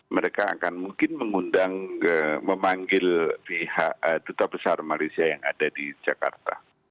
mereka akan mungkin memanggil pihak duta besar malaysia yang ada di jakarta